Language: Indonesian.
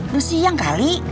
udah siang kali